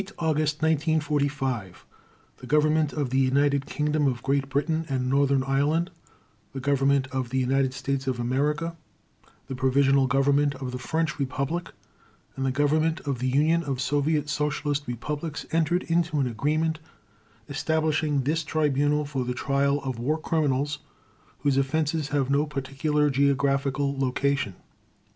JUDGMENT On 8 August 1945, the Government of the United Kingdom of Great Britain and Northern Ireland, the Government of the United States of America, the Provisional Government of the French Republic, and the Government of the Union of Soviet Socialist Republics entered into an Agreement establishing this Tribunal for the Trial of War Criminals whose offenses have no particular geographical location.